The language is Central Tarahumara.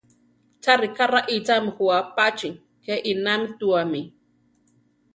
Cha ríka raíchami jú apachí, ke inámituami.